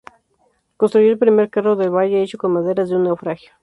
Construyó el primer carro del valle, hecho con maderas de un naufragio.